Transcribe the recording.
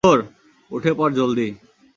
উঠে পড়, জলদি।